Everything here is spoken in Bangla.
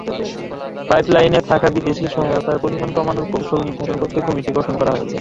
পাইপলাইনে থাকা বিদেশি সহায়তার পরিমাণ কমানোর কৌশল নির্ধারণ করতে কমিটি গঠন করা হয়েছে।